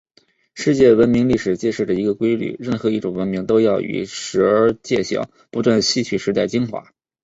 世界文明历史揭示了一个规律：任何一种文明都要与时偕行，不断吸纳时代精华。